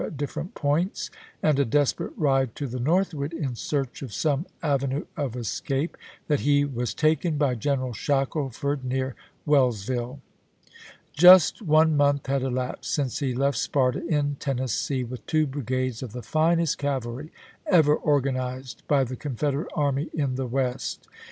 at different points, and a desperate ride to the northward in search of some avenue of escape, that he was taken by General Shackleford near Wells ville. Just one month had elapsed since he left Sparta, in Tennessee, with two brigades of the finest cavalry ever organized by the Confederate army in the West.